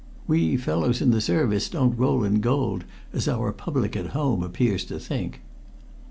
We fellows in the Service don't roll in gold as our public at home appears to think."